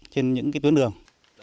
trên những tuyến đường